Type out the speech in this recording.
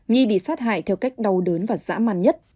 nhi bị sát hại theo cách đau đớn và dã man nhất